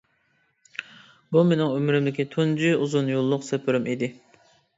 بۇ مېنىڭ ئۆمرۈمدىكى تۇنجى ئۇزۇن يوللۇق سەپىرىم ئىدى.